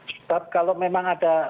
sebab kalau memang ada